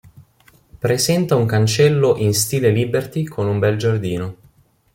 Presenta un cancello in stile liberty con un bel giardino.